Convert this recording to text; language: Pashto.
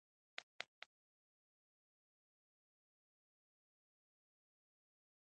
ښوروا له سادهو اجزاوو نه ارزښتمنه پايله لري.